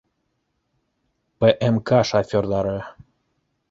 ПМК шоферҙары